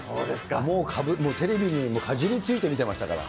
もうテレビにかじりついて見てましたから。